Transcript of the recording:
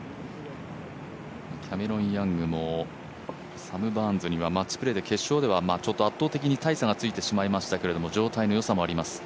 キャメロン・ヤングもサム・バーンズに決勝では圧倒的に大差がついてしまいましたけど状態の良さもあります。